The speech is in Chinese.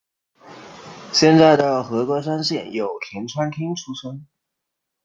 现在的和歌山县有田川町出身。